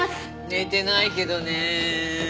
寝てないけどね。